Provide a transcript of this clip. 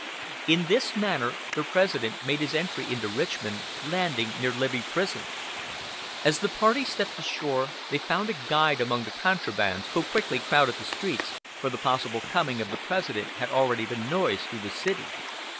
In this manner the President made his entry into Richmond, landing near Libby Prison. As the party stepped ashore they found a guide among the contrabands who quickly crowded the streets, for the possible coming of the President had already been noised through the city.